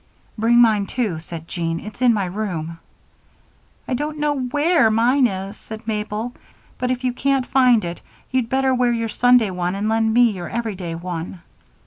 "Bring mine, too," said Jean; "it's in my room." "I don't know where mine is," said Mabel, "but if you can't find it you'd better wear your Sunday one and lend me your everyday one."